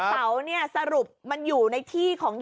เสาเนี่ยสรุปมันอยู่ในที่ของ